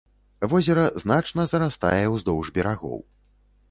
Возера значна зарастае ўздоўж берагоў.